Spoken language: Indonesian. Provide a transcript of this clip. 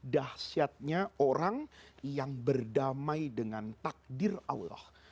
dahsyatnya orang yang berdamai dengan takdir allah